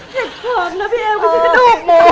เกิดเผิดนะพี่เอวที่กระดูกหมู